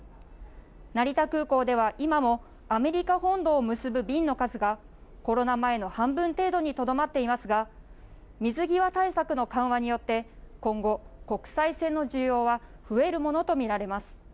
成田空港では今もアメリカ本土を結ぶ便の数がコロナ前の半分程度にとどまっていますが水際対策の緩和によって今後、国際線の需要は増えるものと見られます。